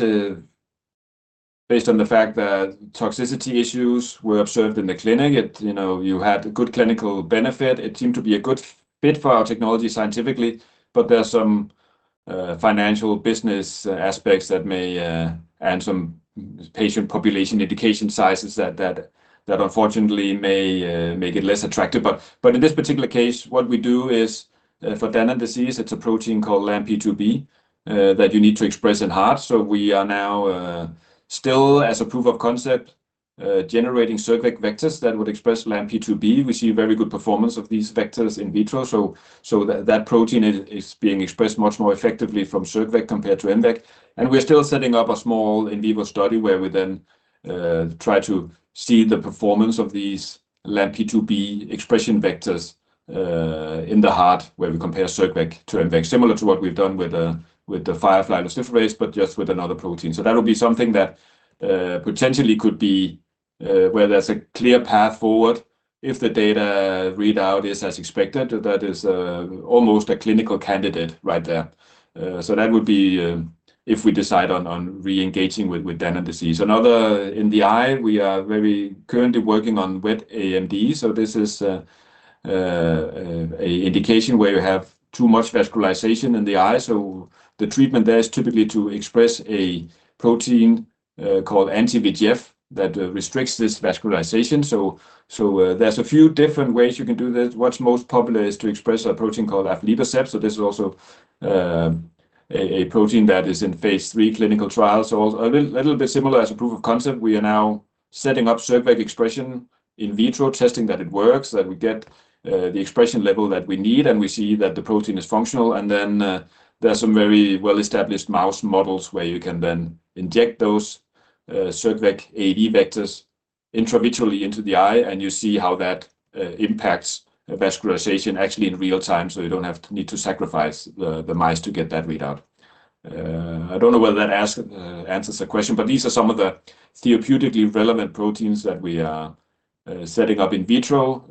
based on the fact that toxicity issues were observed in the clinic. You know, you had a good clinical benefit. It seemed to be a good fit for our technology scientifically, but there are some financial business aspects that may and some patient population indication sizes that unfortunately may make it less attractive. But in this particular case, what we do is for Danon disease, it's a protein called LAMP2B that you need to express in heart. We are now still as a proof of concept, generating circVec vectors that would express LAMP2B. We see very good performance of these vectors in vitro, so that protein is being expressed much more effectively from circVec compared to mVec. We're still setting up a small in vivo study, where we then try to see the performance of these LAMP2B expression vectors in the heart, where we compare CircVec to mVec, similar to what we've done with the firefly luciferase, but just with another protein. That would be something that potentially could be where there's a clear path forward if the data readout is as expected, that is almost a clinical candidate right there. That would be if we decide on re-engaging with Danon disease. Another, in the eye, we are very currently working on wet AMD, this is a indication where you have too much vascularization in the eye. The treatment there is typically to express a protein, called anti-VEGF, that restricts this vascularization. There's a few different ways you can do this. What's most popular is to express a protein called aflibercept, this is also a protein that is in Phase III clinical trials. A little bit similar as a proof of concept, we are now setting up circVec expression in vitro, testing that it works, that we get the expression level that we need, and we see that the protein is functional. Then, there are some very well-established mouse models where you can then inject those, circVec AAV vectors intravitally into the eye, and you see how that impacts the vascularization actually in real time, so you don't have to need to sacrifice the mice to get that readout. I don't know whether that answers the question, but these are some of the therapeutically relevant proteins that we are setting up in vitro,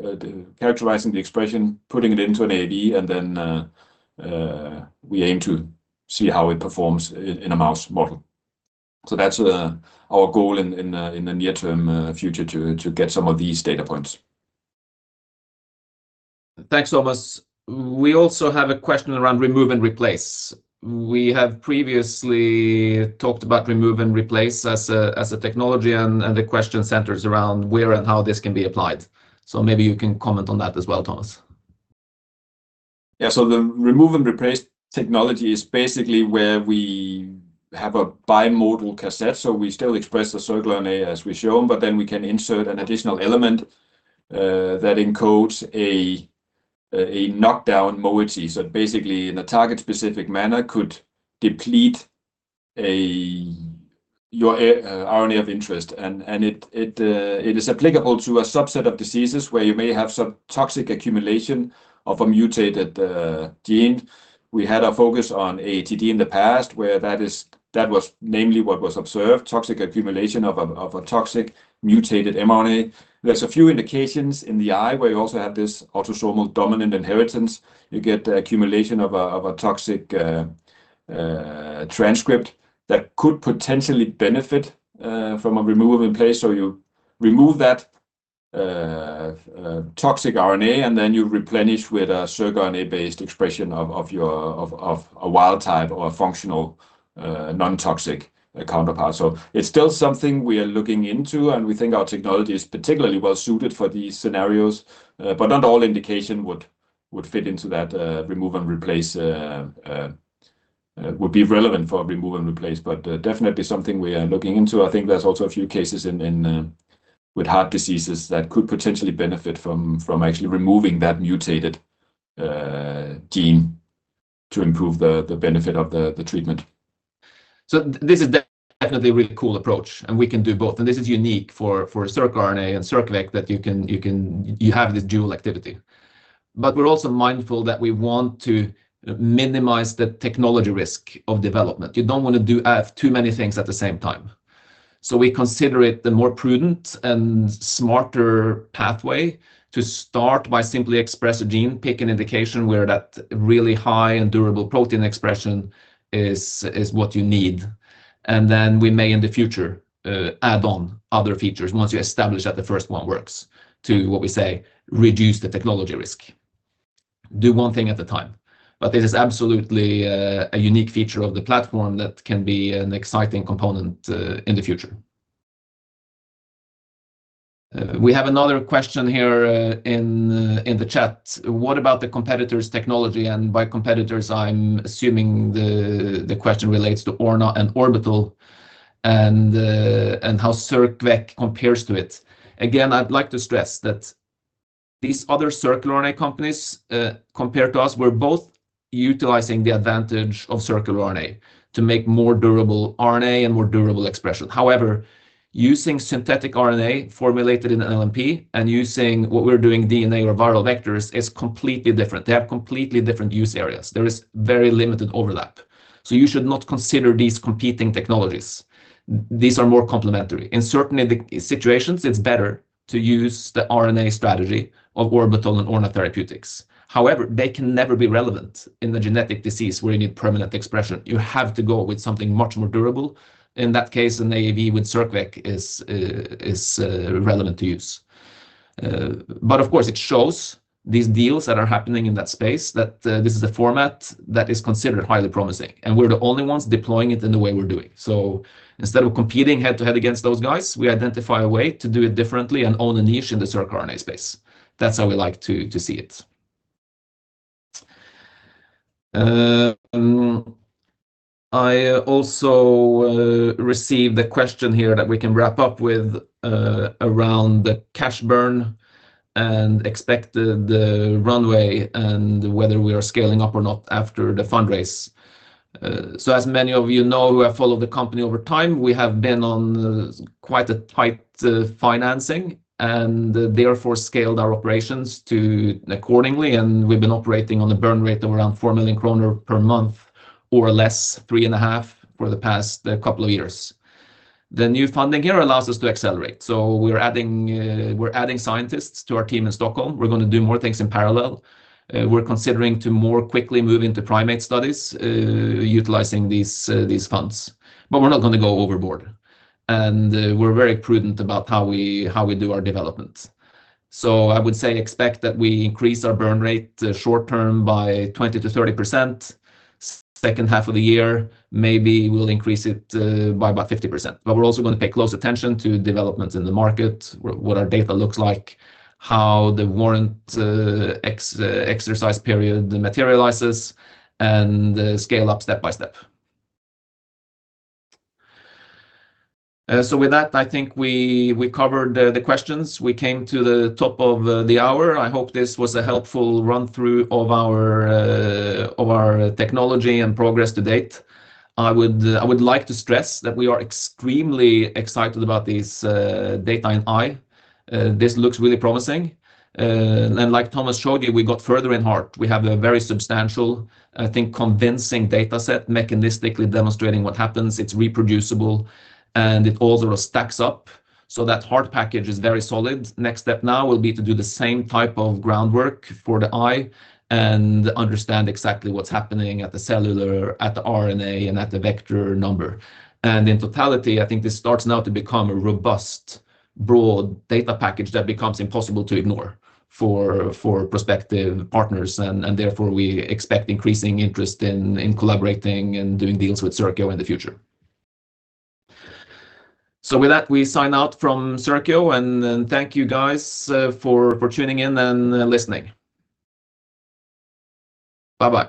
characterizing the expression, putting it into an AAV, and then, we aim to see how it performs in a mouse model. That's our goal in the near-term future to get some of these data points. Thanks, Thomas. We also have a question around remove and replace. We have previously talked about remove and replace as a technology, and the question centers around where and how this can be applied. Maybe you can comment on that as well, Thomas. The remove and replace technology is basically where we have a bimodal cassette, so we still express the circRNA as we've shown, but then we can insert an additional element that encodes a knockdown moiety. Basically, in a target-specific manner, could deplete your RNA of interest. It is applicable to a subset of diseases where you may have some toxic accumulation of a mutated gene. We had a focus on AATD in the past where that was namely what was observed, toxic accumulation of a toxic mutated mRNA. There's a few indications in the eye where you also have this autosomal dominant inheritance. You get the accumulation of a toxic transcript that could potentially benefit from a remove and replace. You remove that toxic RNA, and then you replenish with a circRNA-based expression of your, of a wild type or a functional, non-toxic counterpart. It's still something we are looking into, and we think our technology is particularly well-suited for these scenarios. Not all indication would fit into that remove and replace would be relevant for remove and replace, but definitely something we are looking into. I think there's also a few cases in with heart diseases that could potentially benefit from actually removing that mutated gene to improve the benefit of the treatment. This is definitely a really cool approach, and we can do both, and this is unique for circRNA and circVec that you have this dual activity. We're also mindful that we want to minimize the technology risk of development. You don't want to do too many things at the same time. We consider it the more prudent and smarter pathway to start by simply express a gene, pick an indication where that really high and durable protein expression is what you need, and then we may, in the future, add on other features once you establish that the first one works to, what we say, reduce the technology risk. Do one thing at a time. This is absolutely a unique feature of the platform that can be an exciting component in the future. We have another question here in the chat. What about the competitors' technology? By competitors, I'm assuming the question relates to Orna and Orbital and how circVec compares to it. Again, I'd like to stress that these other circular RNA companies, compared to us, we're both utilizing the advantage of circular RNA to make more durable RNA and more durable expression. Using synthetic RNA formulated in an LNP and using what we're doing, DNA or viral vectors, is completely different. They have completely different use areas. There is very limited overlap. You should not consider these competing technologies. These are more complementary. In certain situations, it's better to use the RNA strategy of Orbital and Orna Therapeutics. They can never be relevant in the genetic disease where you need permanent expression. You have to go with something much more durable. In that case, an AAV with circVec is relevant to use. Of course, it shows these deals that are happening in that space, that this is a format that is considered highly promising, and we're the only ones deploying it in the way we're doing. Instead of competing head-to-head against those guys, we identify a way to do it differently and own a niche in the circRNA space. That's how we like to see it. I also received a question here that we can wrap up with around the cash burn and expected the runway and whether we are scaling up or not after the fundraise. As many of you know, who have followed the company over time, we have been on quite a tight financing and therefore scaled our operations accordingly, and we've been operating on a burn rate of around 4 million kroner per month, or less, 3.5 million, for the past couple of years. The new funding here allows us to accelerate. We're adding scientists to our team in Stockholm. We're going to do more things in parallel. We're considering to more quickly move into primate studies, utilizing these funds. But we're not going to go overboard, and we're very prudent about how we do our development. I would say expect that we increase our burn rate short term by 20%-30%. Second half of the year, maybe we'll increase it by about 50%. We're also going to pay close attention to developments in the market, what our data looks like, how the warrant exercise period materializes, and scale up step by step. With that, I think we covered the questions. We came to the top of the hour. I hope this was a helpful run-through of our technology and progress to date. I would like to stress that we are extremely excited about this data in eye. This looks really promising. And like Thomas showed you, we got further in heart. We have a very substantial, I think, convincing data set, mechanistically demonstrating what happens. It's reproducible, and it all sort of stacks up. That heart package is very solid. Next step now will be to do the same type of groundwork for the eye and understand exactly what's happening at the cellular, at the RNA, and at the vector number. In totality, I think this starts now to become a robust, broad data package that becomes impossible to ignore for prospective partners, and therefore, we expect increasing interest in collaborating and doing deals with Circio in the future. With that, we sign out from Circio, thank you guys for tuning in and listening. Bye-bye.